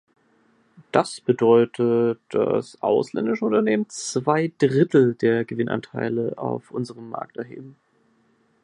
Das bedeutet, dass ausländische Unternehmen zwei Drittel der Gewinnanteile auf unserem Markt erheben.